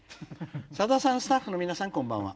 「さださんスタッフの皆さんこんばんは。